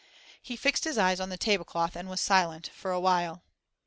He fixed his eyes on the tablecloth, and was silent for a while.